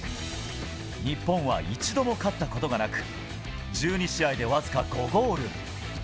日本は一度も勝ったことがなく、１２試合で僅か５ゴール。